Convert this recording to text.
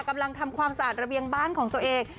ทำความสะอาดระเบียงบ้านของตัวเอง